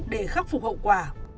để khắc phục hậu quả